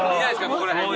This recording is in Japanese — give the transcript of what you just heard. ここら辺に。